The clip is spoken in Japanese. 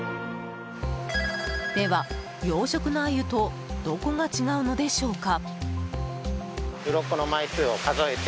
では、養殖のアユとどこが違うのでしょうか。